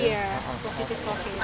iya positif covid